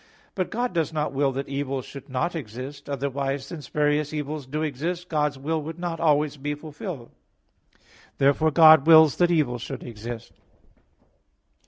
But God does not will that evil should not exist; otherwise, since various evils do exist, God's will would not always be fulfilled. Therefore God wills that evil should exist.